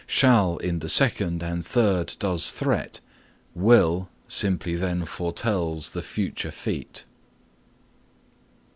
Shall in the second and third does threat, Will simply then foretells the future feat.